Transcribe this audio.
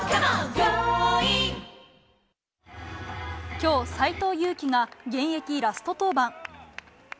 今日、斎藤佑樹が現役ラスト登板。